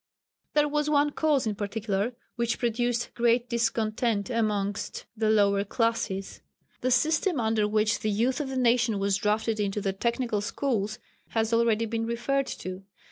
There was one cause in particular which produced great discontent amongst the lower classes. The system under which the youth of the nation was drafted into the technical schools has already been referred to.